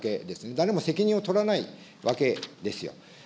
誰も責任を取らないわけですよ。